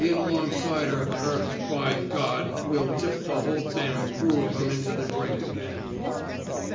in alongside her, er by we'll tip the whole crew of 'em into the drink again."